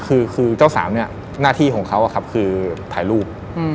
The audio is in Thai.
คือเจ้าสาวเนี่ยหน้าที่ของเขาคือถ่ายรูป